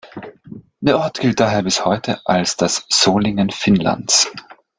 Der Ort gilt daher bis heute als das „Solingen Finnlands“.